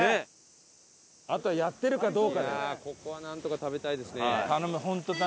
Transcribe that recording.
いやあここはなんとか食べたいですね。